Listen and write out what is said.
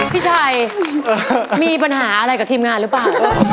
พี่ชัยมีปัญหาอะไรกับทีมงานหรือเปล่า